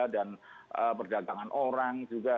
dan perdagangan orang juga